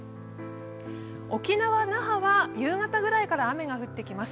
沖縄・那覇は夕方くらいから雨が降ってきます。